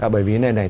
bởi vì thế này